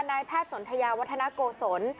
นายแพทย์สนทยาวัฒนโกศล